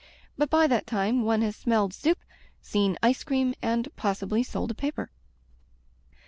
But by that time one has smelled soup, seen ice cream, and possibly sold a paper.